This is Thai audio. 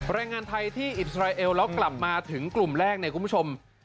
แรงงานไทยที่อิสราเอลแล้วกลับมาถึงกลุ่มแรกเนี่ยคุณผู้ชม